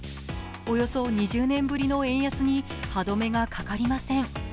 およそ２０年ぶりの円安に歯止めがかかりません。